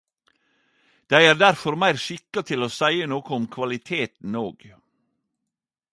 Dei er derfor meir skikka til å seie noko om kvaliteten og.